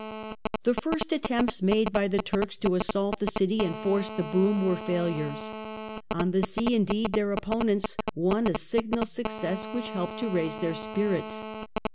The first attempts made by the Turks to assault the city and force the boom were failures. On the sea, in deed, their opponents won a signal success which helped to raise their spirits.